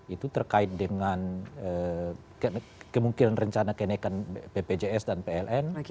itu terkait dengan kemungkinan rencana kenaikan bpjs dan pln